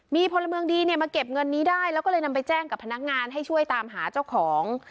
มีพลเมืองดีเนี่ยมาเก็บเงินนี้ได้แล้วก็เลยนำไปแจ้งกับพนักงานให้ช่วยตามหาเจ้าของ